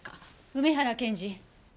梅原検事。